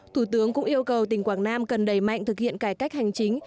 thủ tướng cũng yêu cầu tỉnh quảng nam cần đẩy mạnh thực hiện cải cách hành chính